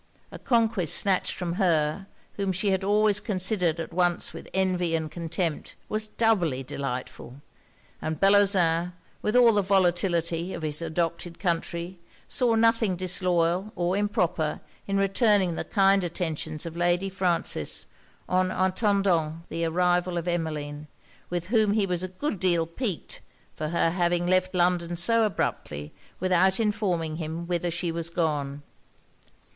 A conquest snatched from her, whom she had always considered at once with envy and contempt, was doubly delightful; and Bellozane, with all the volatility of his adopted country, saw nothing disloyal or improper in returning the kind attentions of Lady Frances, en attendant the arrival of Emmeline; with whom he was a good deal piqued for her having left London so abruptly without informing him whither she was gone.